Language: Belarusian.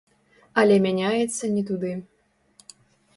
Але мяняецца не туды.